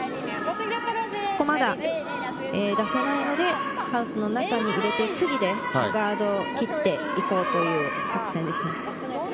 まだ出せないので、ハウスの中に入れて次でカードを切って行こうという作戦ですね。